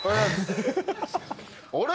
あれ？